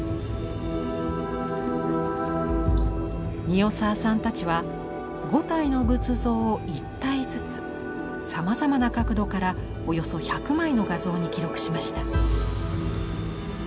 三代沢さんたちは五体の仏像を一体づつさまざまな角度からおよそ１００枚の画像に記録しました。